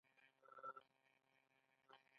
آزاد تجارت مهم دی ځکه چې ټولنه پیاوړې کوي.